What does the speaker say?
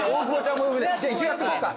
じゃあ一応やっとこうか。